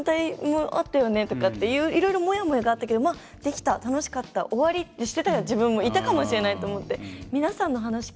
みんな反対もあったよねっていろいろなもやもやがあったけどできた、楽しかった終わりってしてた自分もいたかもしれないと思って。